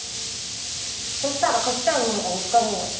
そしたら描きたいものが見つかるんだって。